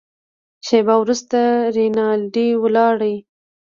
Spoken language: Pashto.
شېبه وروسته رینالډي ولاړ.